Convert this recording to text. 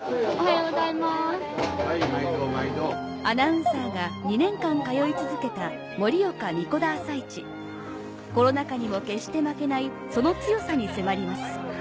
アナウンサーが２年間通い続けた盛岡神子田朝市コロナ禍にも決して負けないその強さに迫ります